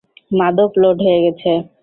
মাদক লোড হয়ে গেছে।